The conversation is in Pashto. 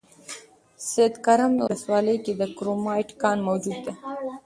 سیدکرم ولسوالۍ کې د کرومایټ کان موجود ده